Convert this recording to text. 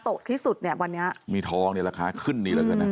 ตกที่สุดเนี่ยวันนี้มีท้องเนี่ยราคาขึ้นดีแล้วกันนะอืม